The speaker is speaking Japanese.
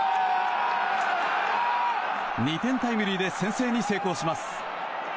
２点タイムリーで先制に成功します。